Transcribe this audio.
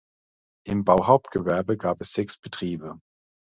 Im Bauhauptgewerbe gab es sechs Betriebe.